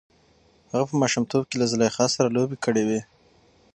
هغه په ماشومتوب کې له زلیخا سره لوبې کړې وې.